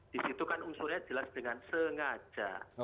di situ kan unsurnya jelas dengan sengaja